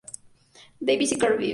David´s y Cardiff.